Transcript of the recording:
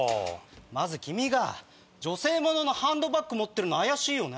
まず君が女性物のハンドバッグ持ってるの怪しいよね。